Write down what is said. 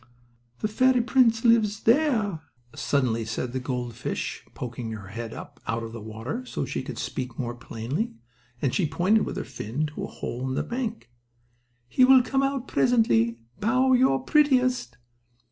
"The fairy prince lives in there," suddenly said the gold fish, poking her head up out of the water, so she could speak more plainly, and she pointed with her fin to a hole in the bank. "He will come out presently. Bow your prettiest."